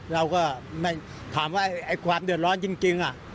เราก็ไม่ถามว่าความเดือดร้อนจริง